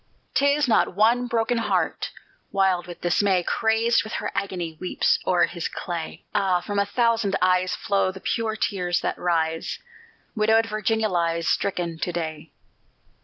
'Tis not one broken heart, Wild with dismay; Crazed with her agony, Weeps o'er his clay: Ah! from a thousand eyes Flow the pure tears that rise; Widowed Virginia lies Stricken to day!